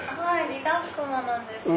リラックマなんですけど。